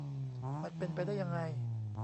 มันเป็นไปได้ยังไง